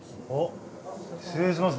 失礼します